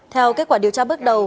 theo kết quả điều tra bước đầu